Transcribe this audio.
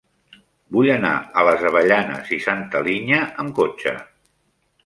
Vull anar a les Avellanes i Santa Linya amb cotxe.